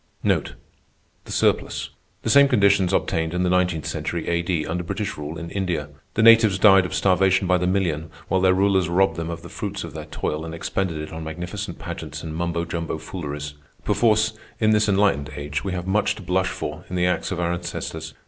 The same conditions obtained in the nineteenth century A.D. under British rule in India. The natives died of starvation by the million, while their rulers robbed them of the fruits of their toil and expended it on magnificent pageants and mumbo jumbo fooleries. Perforce, in this enlightened age, we have much to blush for in the acts of our ancestors.